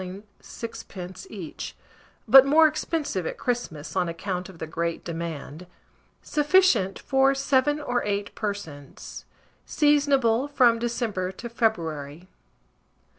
6d. each, but more expensive at Christmas, on account of the great demand. Sufficient for 7 or 8 persons. Seasonable from December to February.